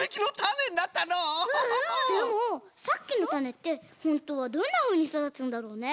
でもさっきのたねってホントはどんなふうにそだつんだろうね？